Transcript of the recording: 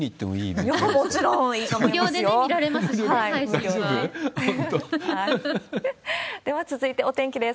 では続いて、お天気です。